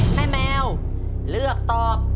แมวเลือกตอบ